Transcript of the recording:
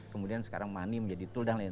kemudian sekarang money menjadi tool dan lain